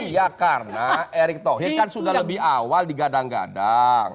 iya karena erik thohir kan sudah lebih awal di gadang gadang